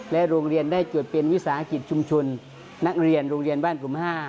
โรงเรียนได้จดเป็นวิสาหกิจชุมชนนักเรียนโรงเรียนบ้านผม๕